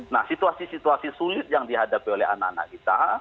nah situasi situasi sulit yang dihadapi oleh anak anak kita